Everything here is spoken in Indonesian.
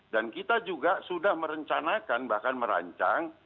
dan kita juga sudah merencanakan bahkan merancang